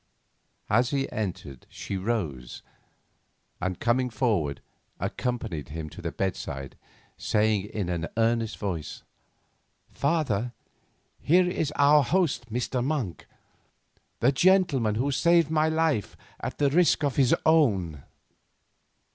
As he entered she rose, and, coming forward, accompanied him to the bedside, saying, in an earnest voice: "Father, here is our host, Mr. Monk, the gentleman who saved my life at the risk of his own."